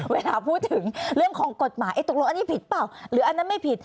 เวลาพูดถึงเรื่องของกฎหมายตกลงอันนี้ผิดเปล่าหรืออันนั้นไม่ผิด